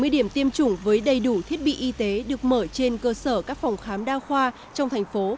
sáu mươi điểm tiêm chủng với đầy đủ thiết bị y tế được mở trên cơ sở các phòng khám đa khoa trong thành phố